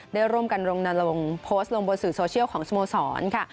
ได้ร่วมกันลงนาลงโพสต์ลงบนสื่อโซเชียลของสโมสรค่ะ